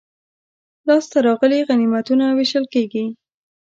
لاسته راغلي غنیمتونه وېشل کیږي.